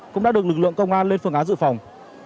cũng đã được lực lượng công an lên phương án dự phòng